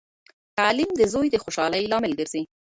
تعلیم د زوی د خوشحالۍ لامل ګرځي.